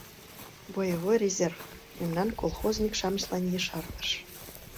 Боевой резерв, мемнан колхозник-шамычлан ешартыш.